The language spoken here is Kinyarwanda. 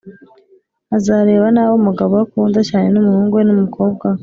azareba nabi umugabo we akunda cyane n’umuhungu we n’umukobwa we,